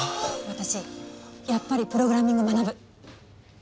私やっぱりプログラミング学ぶ。